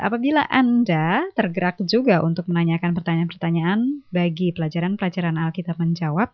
apabila anda tergerak juga untuk menanyakan pertanyaan pertanyaan bagi pelajaran pelajaran alkitab menjawab